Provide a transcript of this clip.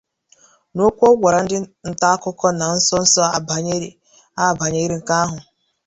n'okwu ọ gwara ndị ntaakụkọ na nsonso a banyere nke ahụ